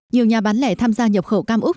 nhiều nhà bán lẻ tham gia nhập khẩu cam úc